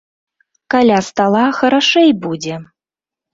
Каля стала харашэй будзе!